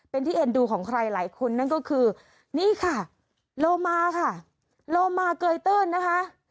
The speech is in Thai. เป็นที่เอ็นดูของใครหลายคนนั่นก็คือนี่ค่ะโลมาค่ะโลมาเกยตื้นนะคะ